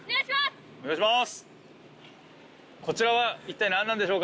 お願いします！